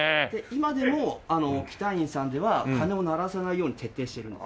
今でも喜多院さんでは鐘を鳴らさないように徹底しているんです。